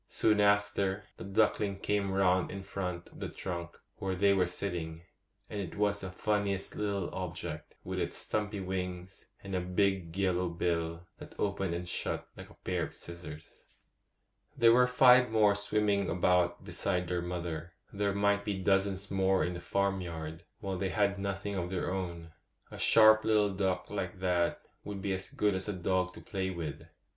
Soon after, the duckling came round in front of the trunk where they were sitting; and it was the funniest little object, with its stumpy wings, and a big yellow bill that opened and shut like a pair of scissors. [Illustration: 'IT WAS THE FUNNIEST LITTLE OBJECT.'] There were five more swimming about beside their mother; there might be dozens more in the farmyard, while they had nothing of their own. A sharp little duck like that would be as good as a dog to play with.